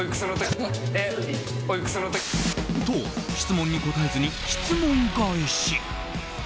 と、質問に答えずに質問返し。